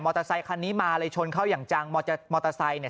เตอร์ไซคันนี้มาเลยชนเข้าอย่างจังมอเตอร์ไซค์เนี่ย